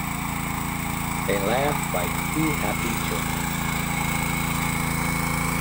They laughed like two happy children.